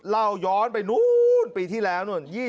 เล่าย้อนไปนู่นปีที่แล้วนู่น